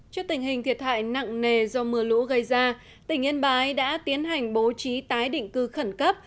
trước tình hình thiệt hại nặng nề do mưa lũ gây ra tỉnh yên bái đã tiến hành bố trí tái định cư khẩn cấp